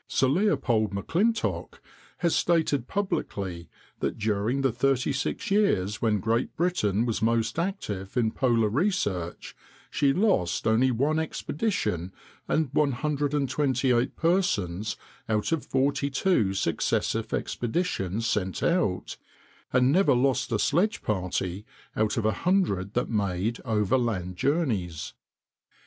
Sir Leopold M'Clintock has stated publicly that during the thirty six years when Great Britain was most active in polar research, she lost only one expedition and 128 persons out of forty two successive expeditions sent out, and never lost a sledge party out of a hundred that made overland journeys.